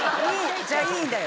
じゃいいんだよ。